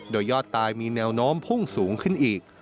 โดยยอดตายมีแนวโน้มพุ่งสูงขึ้นอีก